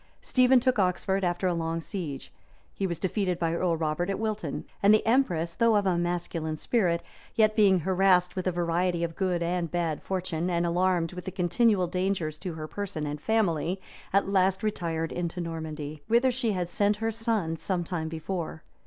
Stephen took Oxford after a long siege: he was defeated by Earl Robert at Wilton; and the empress, though of a masculine spirit, yet being harassed with a variety of good and bad fortune, and alarmed with continual dangers to her person and family, at last retired into Normandy, {1146.} whither she had sent her son some time before.